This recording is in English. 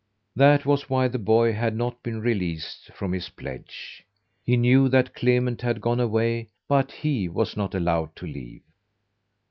That was why the boy had not been released from his pledge. He knew that Clement had gone away, but he was not allowed to leave.